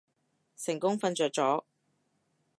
成功瞓着咗